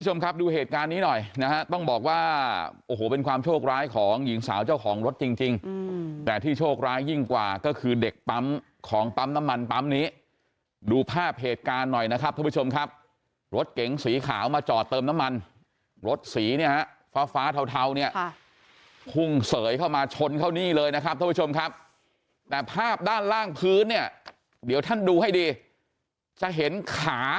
ทุกผู้ชมครับดูเหตุการณ์นี้หน่อยนะฮะต้องบอกว่าโอ้โหเป็นความโชคร้ายของหญิงสาวเจ้าของรถจริงแต่ที่โชคร้ายยิ่งกว่าก็คือเด็กปั๊มของปั๊มน้ำมันปั๊มนี้ดูภาพเหตุการณ์หน่อยนะครับทุกผู้ชมครับรถเก๋งสีขาวมาจอดเติมน้ำมันรถสีเนี่ยฟ้าเทาเนี่ยคุ่งเสยเข้ามาชนเข้านี่เลยนะครับทุก